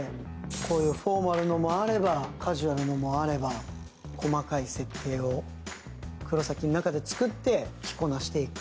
こういうフォーマルのもあればカジュアルのもあれば、細かい設定で黒崎の中で作って着こなしていく。